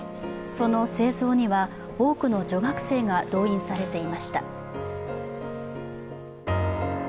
その製造には、多くの女学生が動員されていました。